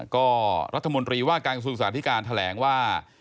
ก็รัฐมนตรีว่าการกระทรวงศึกษาธิการแถลงว่า